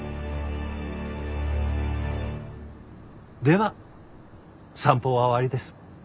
では散歩は終わりです。